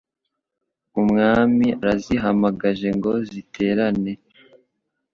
Umwami arazihamagaje ngo ziterane